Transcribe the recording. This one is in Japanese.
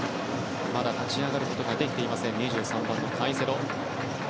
まだ立ち上がることができていませんカイセド。